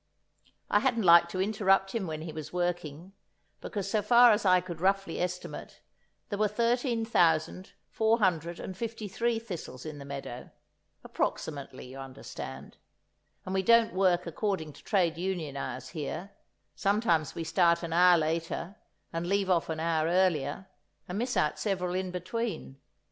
I hadn't liked to interrupt him when he was working, because so far as I could roughly estimate, there were thirteen thousand four hundred and fifty three thistles in the meadow—approximately, you understand—and we don't work according to trade union hours here; sometimes we start an hour later and leave off an hour earlier, and miss out several in between.